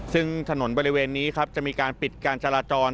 ซึ่งถนนบริเวณนี้ครับจะมีการปิดการจราจร